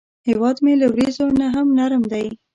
هیواد مې له وریځو نه هم نرم دی